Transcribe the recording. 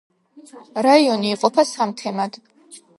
რაიონი იყოფა სამ თემად.